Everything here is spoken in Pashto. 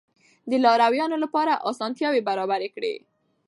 د لارويانو لپاره اسانتیاوې برابرې کړئ.